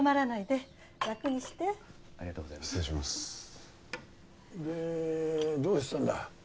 でどうしてたんだ？